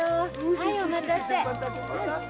はいおまたせ。